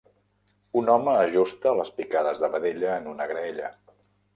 Un home ajusta les picades de vedella en una graella.